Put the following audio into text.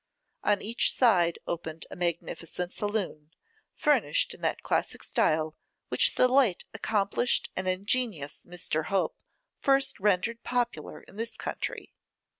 On each side opened a magnificent saloon, furnished in that classic style which the late accomplished and ingenious Mr. Hope first rendered popular in this country.